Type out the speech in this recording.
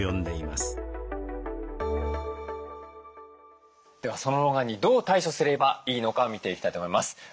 ではその老眼にどう対処すればいいのか見ていきたいと思います。